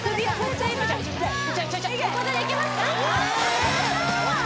ちゃえここでできますか？